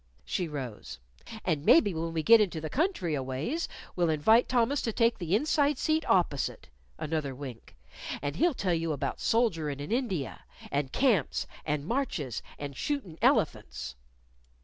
She rose. "And maybe when we git into the country a ways, we'll invite Thomas to take the inside seat opposite," (another wink) "and he'll tell you about soldierin' in India, and camps, and marches, and shootin' elephants."